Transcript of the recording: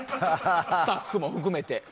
スタッフも含めて。